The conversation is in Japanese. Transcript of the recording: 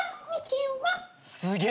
すげえ！